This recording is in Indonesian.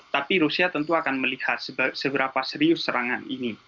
tapi rusia tentu akan melihat seberapa serius serangan ini